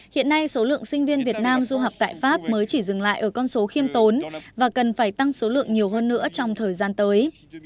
hiện nay số lượng sinh viên việt nam du học tại pháp mới chỉ dừng lại ở con số khiêm tốn và cần phải tăng số lượng nhiều hơn nữa trong thời gian tới